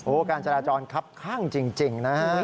โอ้การจราจรครับข้างจริงนะครับ